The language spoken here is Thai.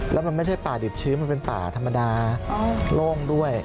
แล้วมันไม่ใช่ป่าดิบชื้นมันเป็นป่าธรรมดาโล่งด้วย